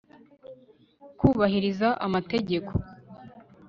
kwubahiriza amategeko